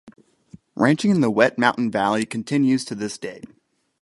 Ranching in the Wet Mountain Valley continues to this day.